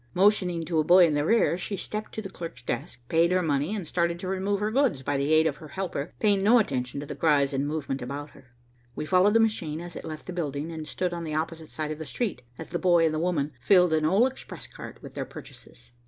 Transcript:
Motioning to a boy in the rear, she stepped to the clerk's desk, paid her money, and started to remove her goods by the aid of her helper, paying no attention to the cries and movement about her. We followed the machine as it left the building, and stood on the opposite side of the street, as the boy and the woman filled an old express cart with their purchases.